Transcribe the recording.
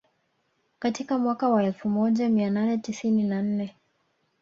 Katika mwaka wa elfu moja mia nane tisini na nne